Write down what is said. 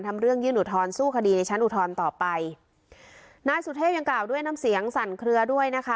ทำเรื่องยื่นอุทธรณสู้คดีในชั้นอุทธรณ์ต่อไปนายสุเทพยังกล่าวด้วยน้ำเสียงสั่นเคลือด้วยนะคะ